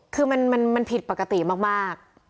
คือมันผิดปกติมาก